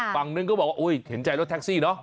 ฝั่งนึงก็บอกว่าเห็นใจรถแท็กซี่เนาะ